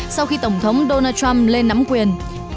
sau khi tổng thống donald trump lên nắm quyền